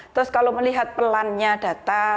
terus kalau melihat pelannya data